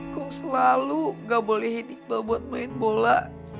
ku selalu gak bolehin iqbal buat main bola